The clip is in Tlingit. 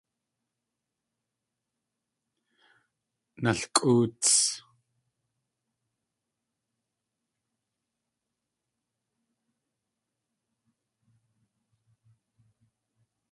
Nalkʼoots!